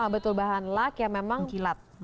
betul bahan lak yang memang kilat